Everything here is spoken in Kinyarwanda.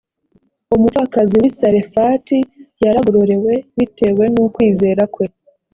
umupfakazi w i sarefati yaragororewe bitewe n ukwizera kwe